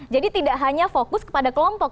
jadi tidak hanya fokus kepada kelompok